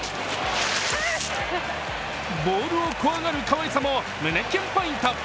ボールを怖がるかわいさも胸キュンポイント。